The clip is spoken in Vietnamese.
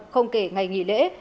không kể ngày nghỉ lễ